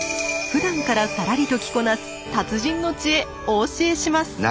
ふだんからさらりと着こなす達人の知恵お教えします。